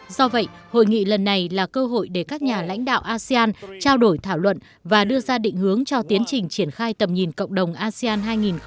do vậy hội nghị lần này là cơ hội để các nhà lãnh đạo asean trao đổi thảo luận và đưa ra định hướng cho tiến trình triển khai tầm nhìn cộng đồng asean hai nghìn hai mươi năm